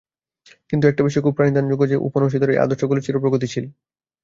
কিন্তু একটা বিষয় খুব প্রণিধানযোগ্য যে, উপনিষদের এই আদর্শগুলি চির-প্রগতিশীল।